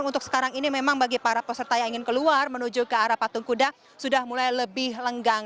tapi memang bagi para peserta yang ingin keluar menuju ke arah patung guda sudah mulai lebih lenggang